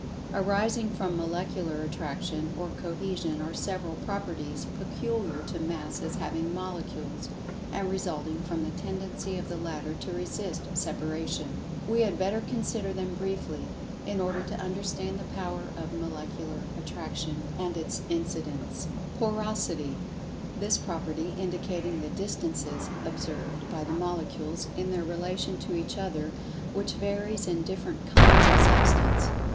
Arising from Molecular Attraction, or Cohesion, are several "Properties" peculiar to Masses having Molecules, and resulting from the tendency of the latter to resist separation.[Pg 81] We had better consider them briefly, in order to understand the power of Molecular Attraction, and its incidents. Porosity: That property indicating the distances observed by the Molecules in their relation to each other, which varies in different "kinds" of Substance.